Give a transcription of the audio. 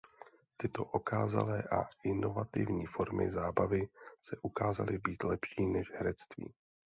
Tyto okázalé a inovativní formy zábavy se ukázaly být lepší než herectví.